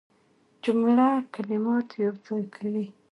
جمله کلمات یوځای کوي.